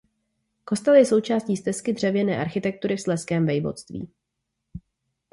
Kostel je součástí Stezky dřevěné architektury v Slezském vojvodství.